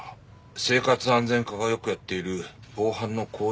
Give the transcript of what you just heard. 生活安全課がよくやっている防犯の講演会。